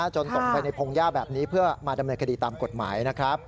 ตกไปในพงหญ้าแบบนี้เพื่อมาดำเนินคดีตามกฎหมายนะครับ